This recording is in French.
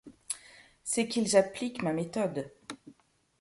C’est qu’ils appliquent ma méthode.